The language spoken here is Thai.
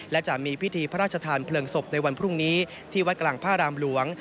และจะมีพิธีพระราชทานเพลิงศพในวันพรุ่งนี้ที่วัดกลางพระรามหลวง